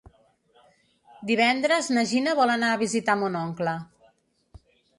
Divendres na Gina vol anar a visitar mon oncle.